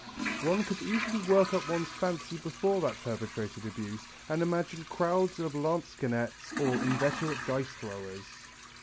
One could easily work up one's fancy before that perpetrated abuse and imagine crowds of lansquesnets or inveterate dice throwers.